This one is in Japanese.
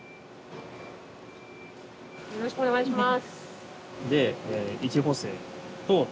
よろしくお願いします。